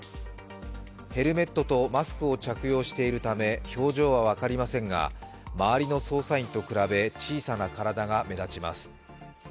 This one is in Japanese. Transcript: ヘルメットとマスクを着用しているため表情は分かりませんが、周りの捜査員と比べ小さな体が目立ちます。